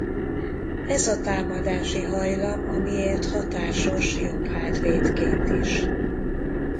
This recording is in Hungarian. Ez a támadási hajlam amiért hatásos jobbhátvédként is.